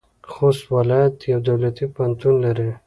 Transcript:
خوست ولایت یو دولتي پوهنتون لري.